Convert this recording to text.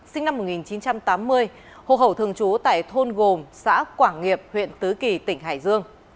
sinh năm một nghìn chín trăm tám mươi hồ hậu thường trú tại thôn gồm xã quảng nghiệp huyện tứ kỳ tỉnh hải dương